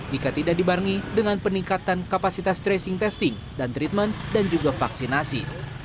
jika tidak dibarengi dengan peningkatan kapasitas tracing testing dan treatment dan juga vaksinasi